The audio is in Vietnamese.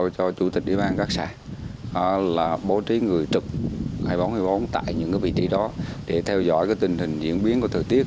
cho chủ tịch địa bàn các xã là bố trí người trực hai mươi bốn hai mươi bốn tại những vị trí đó để theo dõi tình hình diễn biến của thời tiết